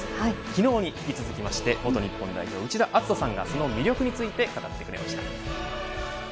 昨日に引き続き元日本代表、内田篤人さんがその魅力について語ってくれました。